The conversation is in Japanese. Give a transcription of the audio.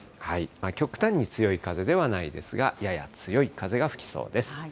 極端に強い風ではないですが、やや強い風が吹きそうです。